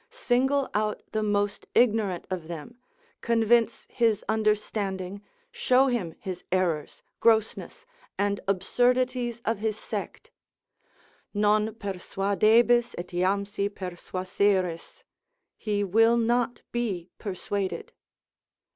Single out the most ignorant of them, convince his understanding, show him his errors, grossness, and absurdities of his sect. Non persuadebis etiamsi persuaseris, he will not be persuaded.